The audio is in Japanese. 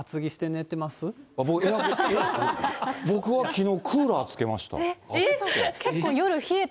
僕はきのう、クーラーつけました、え？